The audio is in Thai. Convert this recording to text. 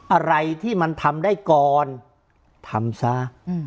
อะไรที่มันทำได้ก่อนทำซะ